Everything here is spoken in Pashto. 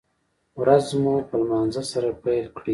ورځ مو په لمانځه سره پیل کړئ